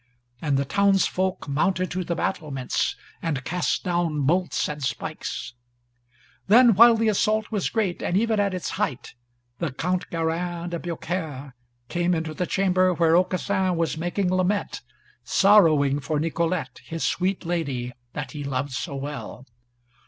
And the towns folk mounted to the battlements, and cast down bolts and pikes. Then while the assault was great, and even at its height, the Count Garin de Biaucaire came into the chamber where Aucassin was making lament, sorrowing for Nicolete, his sweet lady that he loved so well.